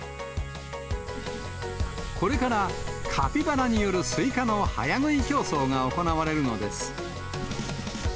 これからカピバラによるスイカの早食い競争が行われるのです。